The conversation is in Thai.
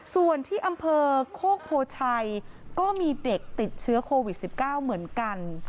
ส่วนที่อำเภอโคกโพชัยก็มีเด็กติดเชื้อโควิด๑๙เหมือนกัน